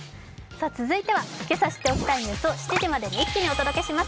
続いては、けさ知っておきたいニュースを７時までに一気にお届けします。